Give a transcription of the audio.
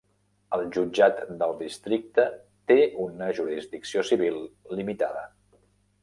El Jutjat del Districte té una jurisdicció civil limitada.